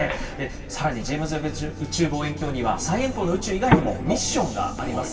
さらにジェームズ・ウェッブ宇宙望遠鏡には、最遠方の宇宙以外にもミッションがあります。